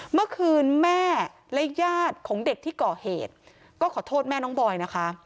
เมื่อคืนแม่และญาติของเด็กที่ก่อเหตุก็ขอโทษแม่น้องบอยนะคะ